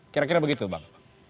kira kira begitu bang